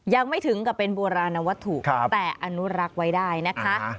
ยังไม่ถึงกับเป็นโบราณวัตถุแต่อนุรักษ์ไว้ได้นะคะ